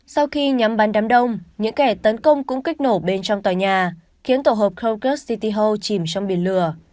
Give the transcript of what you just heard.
sau khi nhắm bắn đám đông những kẻ tấn công cũng kích nổ bên trong tòa nhà khiến tổ hợp krokus city hall chìm trong biển lửa